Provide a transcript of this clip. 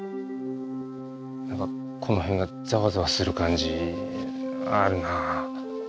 何かこの辺がザワザワする感じあるなぁ。